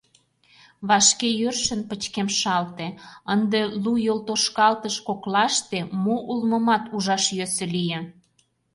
Вашке йӧршын пычкемышалте, ынде лу йолтошкалтыш коклаште мо улмымат ужаш йӧсӧ лие.